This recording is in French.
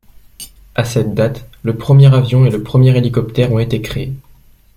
À cette date, le premier avion et le premier hélicoptère ont été créés.